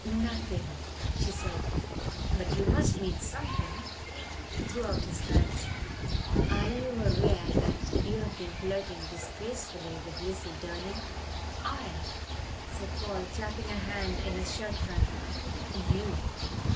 "Nothing," she said. "But you must mean something." He threw out his hands. "Are you aware that you've been flirting disgracefully with Lizzle Durning?" "I?" said Paul, clapping a hand to his shirt front. "You."